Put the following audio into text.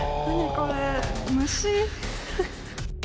これ虫。